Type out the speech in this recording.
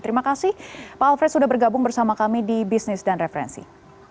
terima kasih pak alfred sudah bergabung bersama kami di bisnis dan referensi